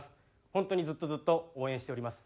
本当にずっとずっと応援しております。